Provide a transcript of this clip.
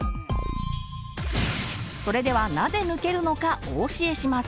それではなぜ抜けるのかお教えします。